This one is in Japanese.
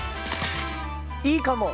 いいかも！